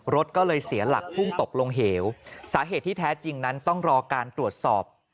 รถก็เลยเสียหลักพุ่งตกลงเหวสาเหตุที่แท้จริงนั้นต้องรอการตรวจสอบ